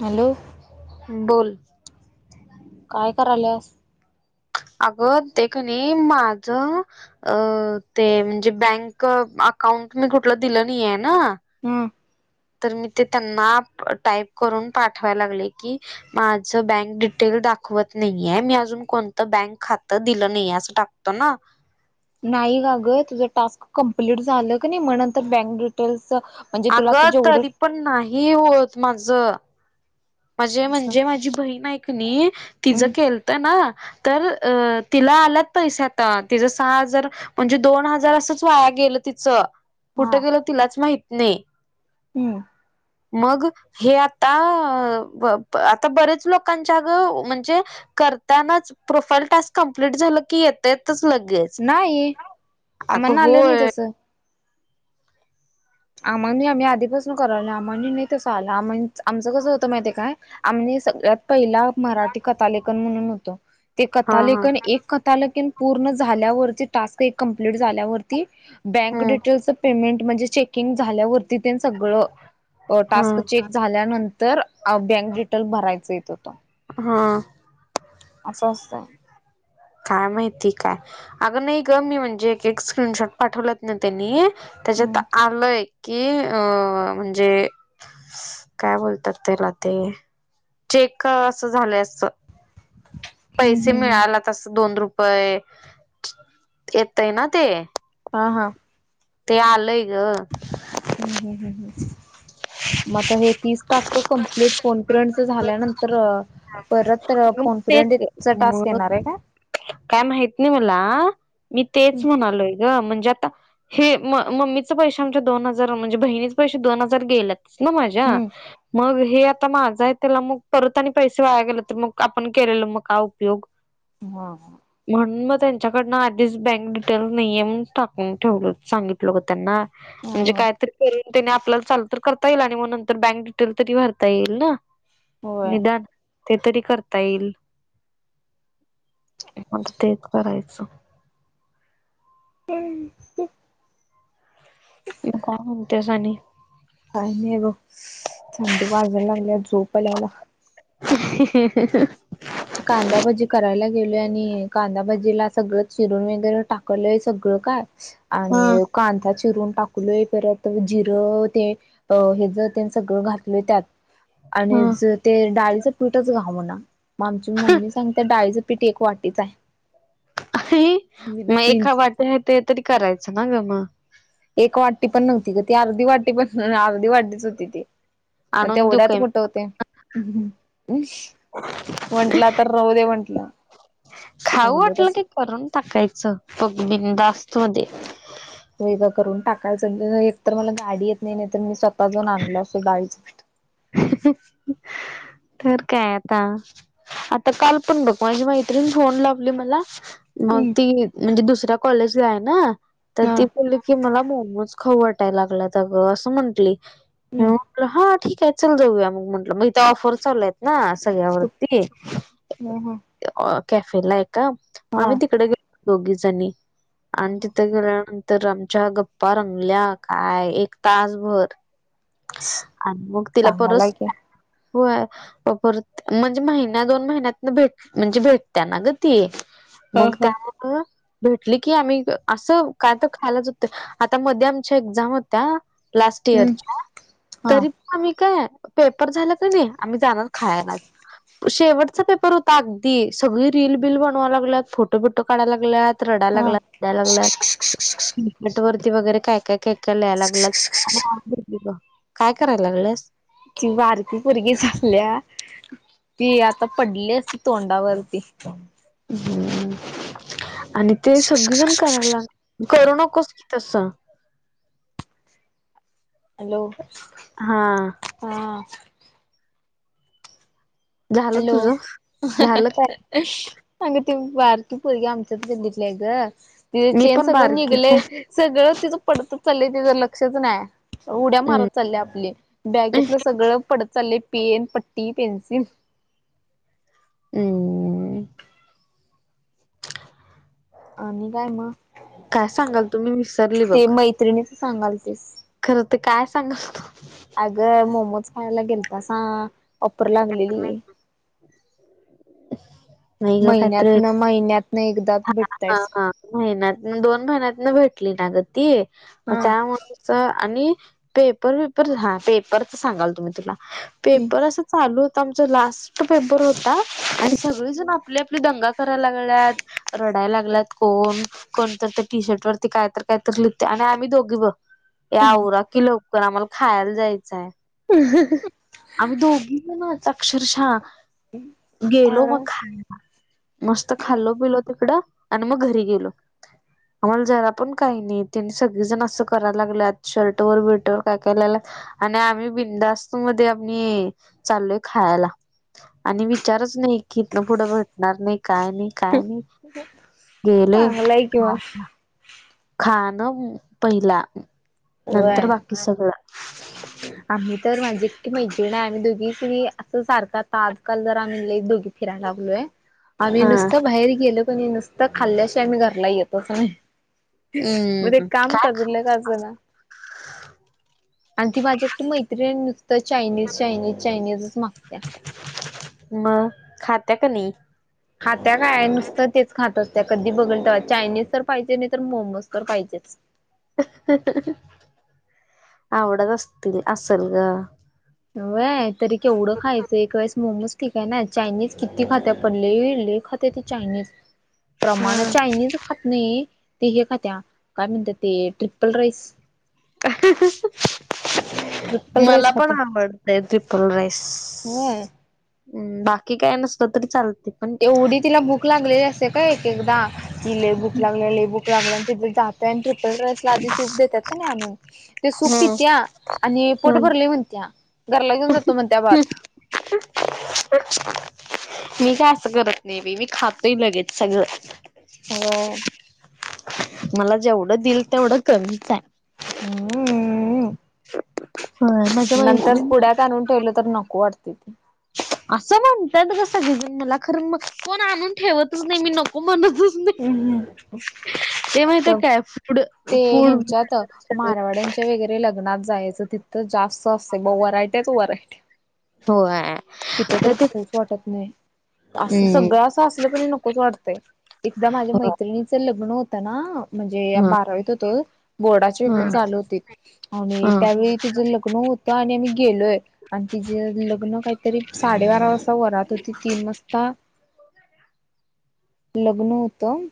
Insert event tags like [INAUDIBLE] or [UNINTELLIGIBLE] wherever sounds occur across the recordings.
Hello बोल काय करायलस अगं तेखणी माझं अ ते म्हणजे बँक अकाउंट मी कुठलं दिलं नाही आहे ना हम तर मी ते त्यांना टाईप करून पाठवायला लागले की माझ बँक डिटेल दाखवत नाहीय मी अजून कोणतं बँक खात दिलं नाही असं टाक तो ना नाही का ग तुझं टास्क कम्प्लीट झालं का नाही म्ह बँक डिटेल्स तुला अग आता जेवढं तरी पण नाही होत माझ. माझे असं म्हणजे माझी बहीण ऐकणी तिचं हम्म केलत ना तर अ तिला आलात पैसे आता तिच सहा हजार म्हणजे दोन हजार असंच वाया गेलं तिचं कुठ हा गेलं तिलाच माहित नाही. हम्म मग हे आता आता बरेच लोकांच्या गं म्हणजे करतानाच प्रोफाईल टास्क कंप्लीट झालं की येतेतच लगेच. नाही अगं आम्हाना आलं नाही होय तसं आम्हा म आम्ही आधीपासून करावल आम्हा नाही तसं आलं आम आमचं कसं होतं माहितीय काय आमही सगळ्यात पहिला मराठी कथालेखन म्हणून होतो ते हा हा कथालेखन एक कथलकन पूर्ण झाल्यावरती टास्क एक कम्प्लीट झाल्यावरती बँक हम्म डिटेल पेमेंट म्हणजे चेकिंग झाल्यावरती तथ सगळ हा टास्क चेक झाल्यानंतर तर बँक डिटेल भरायच येत होत. हा असं असतं. काय माहिती काय अगं नाही ग मी म्हणजे एक एक स्क्रीनशॉट पाठवलंत ना त्यांनी हम्म त्याच्यात आलंय की अ म्हणजे काय बोलतात त्याला ते चेक असं झालंय असं. हम्म पैसे हम्म हम्म मिळाला तर अस दोन रुपये येत आहे ना ते आ हा. ते आलंय ग हम ह मता हे तीस तास कम्प्लीट फोन पिर्यंट झाल्यानंतर परत फोन तेच पिरयंट टास्क मग येणार आहे का? काय माहित नाही मला मी तेच म्हणालोय ग म्हणजे आता. हे म-मम्मीच पैसे आमच्या दोन हजार म्हणजे बहिणीच पैसेे दोन हजार गेल्यात. तीश ना माझ्या हम्म मग हे आता माझं आहेत. त्याला मग परत आणि पैसे वाया गेले तर मग आपण केलेल मग काय उपयोग? हम्म. म्हणून मग त्यांच्याकडनं आधीच बँक डिटेल नाहीेये म्हणूनच टाकून ठेवलं सांगितलं ग त्यांना. ह म्हणजे हा कायतरी करून त्याने आपल्याला चालू तर करता येईल आणि मग नंतर बँक डिटेल तरी भरता येईल ना. होय निदान ते तरी करता येईल. मग आता तेच करायचं. हम ह. मग काय म्हणतेस आणि? काही नाही बग थंडी वाजाय लागल्या झोप याय लागल्या. [INAUDIBLE] कांदाभजी करायला गेलोय आणि कांदाभजीला सगळं चिरून वगैरे टाकलंय सगळं काय? हा आणि कांदा चिरून टाकलोय परत त जिरं ते अ हे जर सगळं घातले त्यात आणि हा ज ते डाळीचं पीठच घावणा मग आमची मम्मी सांगते डाळीचं पीठ एक वाटीच आहे. मी मग तीन एका वाटी आहे ते तरी करायचं ना ग म एक वाटी पण नव्हती ग ती अर्धी वाटी पण अर्धी वाटीच होती ती. मग आणून देऊ तेवढ्यात काय कुठं होतंय? म्हंटला आता राहू दे म्हंटलं. खाऊ ठेवलं वाटलं तस की करून टाकायचं पग बिनधास्त मध्ये. वेगळ करून टाकायचं अं एक तर मला गाडी येत नाही नाही तर मी स्वतः जाऊन आणलो असतो डाळीचं पीठ. [INAUDIBLE] तर काय आता आता काल पण बघ माझी मैत्रीण फोन लावली मला मग हम्म ती म्हणजे दुसऱ्या कॉलेजला आहे ना तर हा. ती बोलली की मला मोमोज खाऊ वाटाय लागल्यात अग असं म्हंटली हां हम्म म्हणल ठीक आहे चल जाऊया मग म्हंटलं मग इथ ऑफर चालू आहेत ना कुठ सगळ्यावरती ए हा ओ कॅफेला एका हा आम्ही तिकडे गेलो दोघी जणी. आणि हा तिथे गेल्यानंतर आमच्या गप्पा रंगल्या काय एक तासभर. आणि मग तिला परस चांगलाय की. होय व परत म्हणजे महिन्या दोन महिन्यातन भेट म्हणजे भेट त्यांना ग ती हा मग हा. त्यामुळं आ भेटली की आम्ही असं काय तर खायला जातोय आता मध्ये आमच्या एक्झाम होत्या लास्ट हम्म इयरच्या हा तरी पण आम्ही काय पेपर झालं का नाही आम्ही जाणार खायालात. शेवटचा पेपर होता अगदी सगळी रील बिल बनवाय लागल्यात, फोटो बिटो काढाय लागल्यात तर रडा हा. लागल्यात, पडा लागल्यात नेट वरती वगैरे काय काय काय तल्या लागल्यात [UNINTELLIGIBLE] काय कराय लागल्यास? किंवा आरती पोरगी झाल्या ती आता पडली असती तोंडावरती. हम्म आणि ते सगळेजण करायला लाग करू नकोस की तसं. हॅलो! हा. हा. झालं हॅलो, तुझं अं हं झालं काय अं अग ती बारकी पोरगी आमच्यात गल्लीतलं ग तिज मी चेन पण सगळं बारकीच आहे निघलयं सगळं तिज पडतचं चाललंय, तिचं लक्षच नाय. उड्या हम्म मारत चालल्या आपली, बॅगेतलं सगळं पडत चाललंय पेन, पट्टी, पेन्सिल उम अ आणि काय म? काय सांगाल तुम्ही, विसरली बघ त्रिणीच सांगालतिस खरं तर काय सांगल तू अगं मोमोज खायला गेलता, सागं ओपर लागलेली. अं, हं महिन्यातनं, महिन्यात नं एकद हा, हा, हा महिन्यातनं, दोन महिन्यातनं भेटली ना ग ती म हा. त्यामुळं च आणि पेपर, बिपर हा पेपरच सांगाल तुम्ही तुला पेपर अस चालू होता, आमच्या लास्ट पेपर होता आणि सगळेजण आपले आपली दंगा करायला लागल्यात. रडायला लागलात कोण कोणतर त्या टी-शर्ट वरती कायतर कायतर लिहता आणि आम्ही दोघी बघं ये आवरा की लवकर आम्हाला खायला जायचं आहे. अं, हं, हं आम्ही दोघी ना अक्षरशः गेलो मग खाय मस्त खाल्लो, पिलो तिकडं आणि मग घरी गेलो. आम्हाला जरा पण काही नाही, त्यांने सगळेजण असं करायला लागल्यात शर्ट वर बिरटं व काय काय लात आणि आम्ही बिंदास्तू मध्ये आम्ही चाललोय खायला. आणि विचारच नाही की इथन पुढं भेटणार नाही, काय नाही काय नाही गेले चांगलंय कि मग. खाण पहिला नंतर होय. बाकी सगळं. आम्ही तर माझी एकटी मैत्रीण आहे, आम्ही दोघी क नई असं सारखा आता आजकल जरा लई दोघी फिरायला लागलोय आम्ही हा नुसतं बाहेर गेलो कि नई नुसतं खाल्ल्या शिवाय घरला येतंच नाही. मग हम्म एक काम काय खा कजरलं का अजं ना आणि ती माझी एकटी मैत्रिण नुसतं चायनीज, चायनीज, चायनीजच मागत्या म खात्या का नाही? खात्या काय नुसतं तेच खातात कधी बघलं तेव्हा चायनीज तर पाहिजे नाही तर मोमोज तर पाहिजेच. आवडत असतील असंल ग व्हय, तरी केवढं खायचं एक वेळेस मोमोज ठीक आहे ना, चायनीज किती खात्यात पण लई, लई खात्या ती चायनीज. प्रमाण चायनीज खात नाही ते हे खात्या काय म्हणत्यात ते ट्रिपल राईस ट्रिप्पल मला राईस पण आवडतयं ट्रिपल राईस. व्हयं हम्म बाकी काय नसतं तरी चालते. पण एवढी तिला भूक लागलेली असे का एक, एकदा कि अं भुक लागलेली, भुक लागलंन तिथे जातंय आणि ट्रिपल राईस ला आधी सूप देतात का नाही आणून ते सूप हम्म पित्या आणि पोट हम भरले म्हणत्या, घरला घेऊन जातो म्हणत्या भात [INAUDIBLE] मी काय असं करत नाही बी मी खातेय लगेच सगळं. होय मला जेवढं दिलं, तेवढं कमीच आहे [UNINTELLIGIBLE] होय मग नंतर पुढ्यात आणून ठेवलं तर नको वाटते ते असं म्हणतात कसं गजून मला खरं मग कोण आणून ठेवतच नाही मी नको म्हणतच नाही हम् हम्म ते माहितीये काय फूड ते फूड ह्यांच्यात मारवाड्यांच्या वगैरे लग्नात जायचं तिथं जास्त असते मग वरायट्याच वरायट्या होय तिथ तर खाऊच वाटत नाही असं हम्म सगळं असं असलं तरी नकोच वाटतंय. एकदा माझ्या मैत्रिणीचं लग्न होतं ना म्हणजे हा बारावीत होतो बोर्डाचे पेपर हा चालू होते आणि हा त्यावेळी तिचं लग्न होतं आणि आम्ही गेलोय आणि तिचेे लग्न काहीतरी साडेबारा वाजता वरात होती तीन वाजता लग्न होतं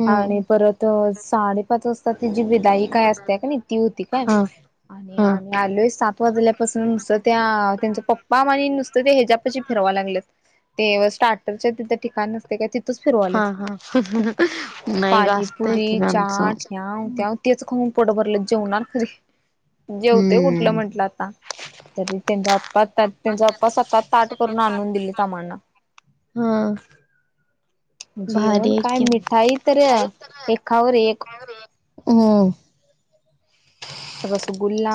हम्म आणि परत साडेपाच वाजता त जी विदाई काय असते का नाही ती होती काय हा आणि हा आम्ही आलोय सात वाजल्यापासून नुसतं त्या त्यांच पप्पा आणि नुसतं ते ह्याजपाची फिरवां लागलं ते स्टार्टरच्याचे तिथं ठिकाण असते काय ती हा हा नाही घासतय कि पाणीपुरी लांबच चाट ह्याव त्याव तेच खाऊन पोट भरलंय जेवणार कधी, जेवते कुठलं हम्म म्हंटलं आता तरी त्यांचा अप्पा त्यांचा अप्पा सतत ताट करून आणून दिलेत आम्हाला हम्म भारी आहेत की ताई तर एकावर एक हम्म रसगुल्ला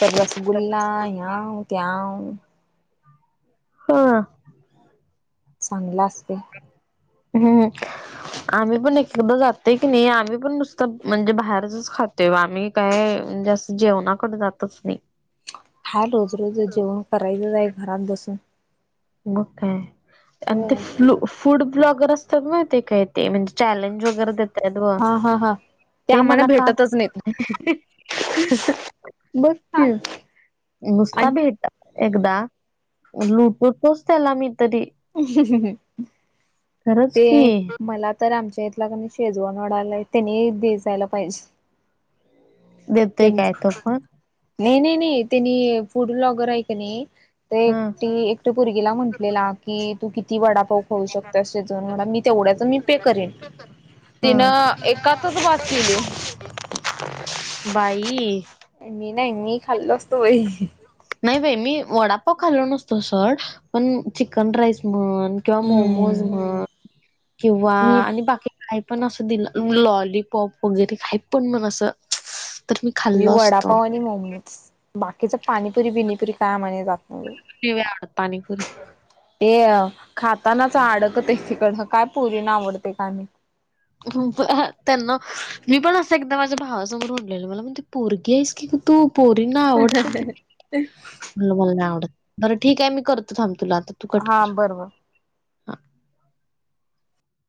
पर रसगुल्ला ह्याव त्यावा हा चांगलं असते हम्म आम्ही पण कुड जातोय की नाही आम्ही पण नुसतं म्हणजे बाहेरचच खात तेव्हा आम्ही काय जास्त जेवणाकडे जातच नाही काय रोज रोज च जेवण करायचच आहे घरात बसून मग काय, आणि ते फ्लू फूड ब्लॉगर असतात माहितेय काय, ते म्हणजे चॅलेंज वगैरे देत हा हा हा ते आम्हाला मला काम, भेटतच नाहीत बघ हा की नुसता आणि भेट एकदा लुटतोच त्याला मी तरी खरंच ते की मला तर आमच्या इथला का नई शेजवान वाढालाय त्यांनी दि जायला पाहिजे देतोय त्याचं काय तो पण नाही नाही नाही त्यांनी फूड ब्लॉगर ऐ का नाही ते हा एकटी पोरगीला म्हटलेला की तू किती वडा पाव खाऊ शकते शेजवान वडा मी तेवढ्याच मी पे करेन हा तिनं एकातच बास केली बाई मी नाही मी खाल्लो असतो बाई नाही बाई मी वडापाव खाल्लो नसतो सर पण चिकन राईस म्हणं. किंवा मोमोज हम्म म्हणं किंवा मी आणि बाकी - काय पण असं दिलं लॉलीपॉप वगैरे काही पण पण असं. तर मी खाल्लो असतो वडापाव आणि मॉमज बाकीच पाणीपुरी बिनीपुरी काय म्हणा जात नाही. पिवळ्या हातानी पुरी - ते खातानाचं अडकत्या तिकडं काय पोरीना आवडते का नाही. त्यांना मी पण असं एकदा माझ्या भावासमोर उोललेलं मला म्हणते पोरगी आहेस की की तू. पोरीना आवडतं कि मला नाही आवडत बरं ठीक आहे मी करतो थांब तुला आता. तू कट हा कर बरोबर.